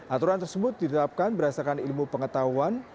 aturan tersebut ditetapkan berdasarkan ilmu pengetahuan